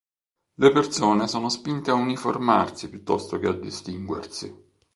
Le persone sono spinte a uniformarsi piuttosto che a distinguersi.